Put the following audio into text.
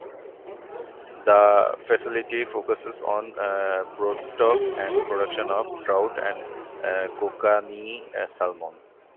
The facility focuses on broodstock and production of trout and kokanee salmon.